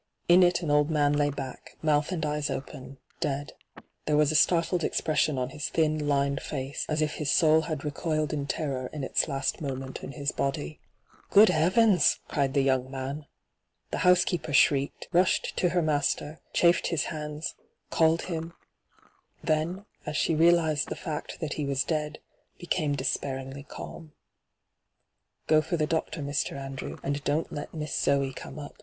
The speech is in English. In it an old man lay back, mouth and eyes open, dead. There was a startled expres sion on his thin, lined face, as if his soul had recoiled in terror in its last moment in his body. ' Good heavens I' cried the young man. The housekeeper shrieked, rushed to her master, chafed his hands, called him ; then, as she reaUzed the &ct t^t he was dead, became despairingly calm. 'Go for the doctor, Mr. Andrew, and don't let Miss Zoe come up.